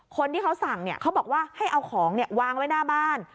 คนที่เขาสั่งเขาบอกว่าให้เอาของวางไว้หน้าบ้าน